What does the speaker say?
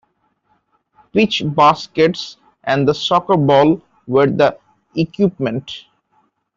Peach baskets and the soccer ball were the equipment.